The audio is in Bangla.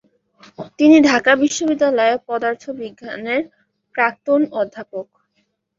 তিনি ঢাকা বিশ্ববিদ্যালয়ের পদার্থবিজ্ঞান বিভাগের প্রাক্তন অধ্যাপক।